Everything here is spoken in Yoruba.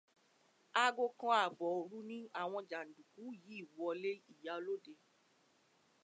Aago kan ààbọ̀ òru ní àwọn jàǹdùkú yìí wọlé ìyálóde